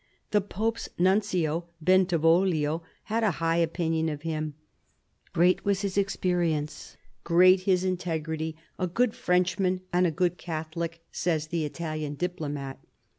The Pope's Nuncio, Bentivoglio, had a high opinion of him. " Great was his experience, great his integrity ;... a io6 CARDINAL DE RICHELIEU good Frenchman and a good Catholic," says the Italian diplomat.